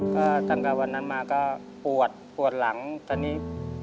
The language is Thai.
ก็ตั้งแต่วันนั้นมาก็ปวดปวดหลังตอนนี้